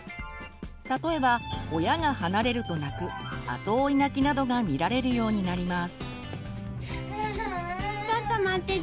例えば親が離れると泣く後追い泣きなどが見られるようになります。